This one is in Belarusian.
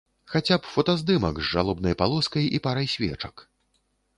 Хаця б фотаздымак з жалобнай палоскай і парай свечак.